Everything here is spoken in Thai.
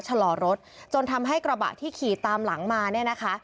ชะลอรถจนทำให้กระบะที่ขี่ตามหลังมาเนี่ยนะคะ